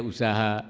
untuk pulang ke tasks